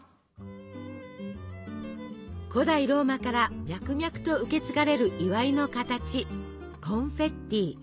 古代ローマから脈々と受け継がれる祝いの形コンフェッティ。